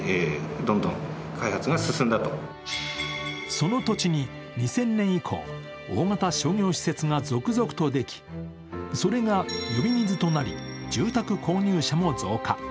その土地に２０００年以降大型商業施設が続々とできそれが呼び水となり住宅購入者も増加。